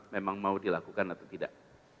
memang mau dilakukan atau tidak